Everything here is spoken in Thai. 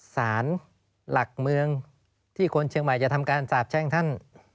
สารหลักเมืองที่คนเชียงใหม่จะทำการสาบแช่งท่าน